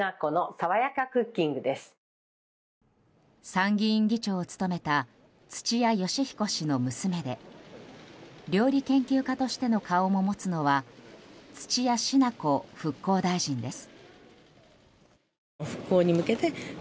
参議院議長を務めた土屋義彦氏の娘で料理研究家としての顔も持つのは土屋品子復興大臣です。